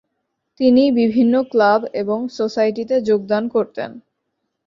তিনি বিভিন্ন ক্লাব এবং সোসাইটিতে যোগদান করতেন।